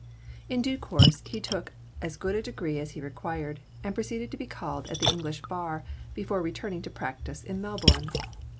In due course he took as good a degree as he required, and proceeded to be called at the English bar before returning to practice in Melbourne.